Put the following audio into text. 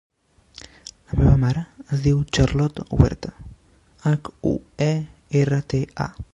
La meva mare es diu Charlotte Huerta: hac, u, e, erra, te, a.